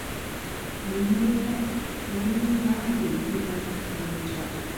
எண்ணிய எண்ணியாங் கெய்துப என்றார்.